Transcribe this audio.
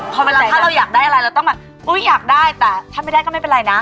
พอเวลาถ้าเราอยากได้อะไรเราต้องแบบอุ๊ยอยากได้แต่ถ้าไม่ได้ก็ไม่เป็นไรนะ